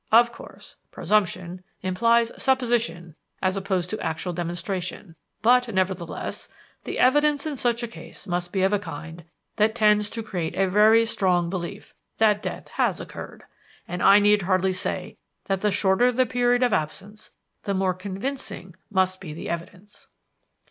Of course, presumption implies supposition as opposed to actual demonstration; but, nevertheless, the evidence in such a case must be of a kind that tends to create a very strong belief that death has occurred; and I need hardly say that the shorter the period of absence, the more convincing must be the evidence.